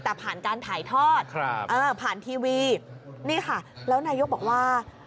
แต่ผ่านการถ่ายทอดผ่านทีวีนี่ค่ะแล้วนายกบอกว่า